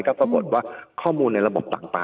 ก็ปรากฏว่าข้อมูลในระบบต่าง